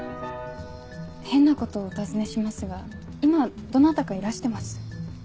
変なことをお尋ねしますが今どなたかいらしてます？